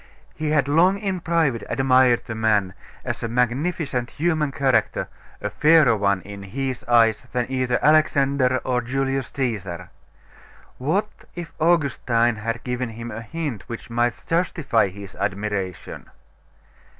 He had long in private admired the man, as a magnificent human character, a fairer one, in his eyes, than either Alexander or Julius Caesar.... What if Augustine had given him a hint which might justify his admiration?....